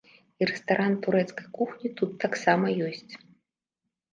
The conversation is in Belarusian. І рэстаран турэцкай кухні тут таксама ёсць.